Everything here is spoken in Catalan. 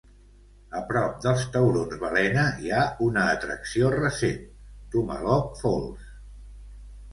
A prop dels taurons balena hi ha una atracció recent: Tumalog Falls.